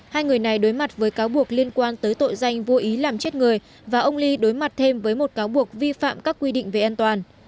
hai người này đối mặt với cáo buộc liên quan tới tội danh vô ý làm chết người và ông lee đối mặt thêm với một cáo buộc vi phạm các quy định về an toàn